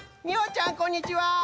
みおちゃんこんにちは。